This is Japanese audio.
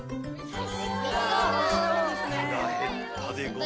はらへったでござる。